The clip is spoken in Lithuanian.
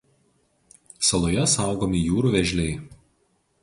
Saloje saugomi jūrų vėžliai.